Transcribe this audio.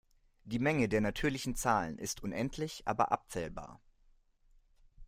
Die Menge der natürlichen Zahlen ist unendlich aber abzählbar.